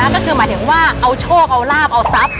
ก็คือหมายถึงว่าเอาโชคเอาลาบเอาทรัพย